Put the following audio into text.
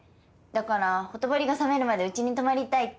だからほとぼりが冷めるまでうちに泊まりたいって。